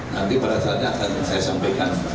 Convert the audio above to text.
nanti pada saatnya akan saya sampaikan